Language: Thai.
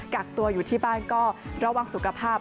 กักตัวอยู่ที่บ้านก็ระวังสุขภาพ